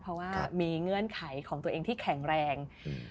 เพราะว่ามีเงื่อนไขของตัวเองที่แข็งแรง